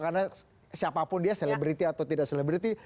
karena siapapun dia selebriti atau tidak selebriti